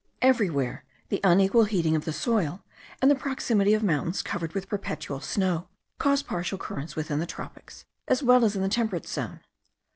Everywhere the unequal heating of the soil, and the proximity of mountains covered with perpetual snow, cause partial currents within the tropics, as well as in the temperate zone.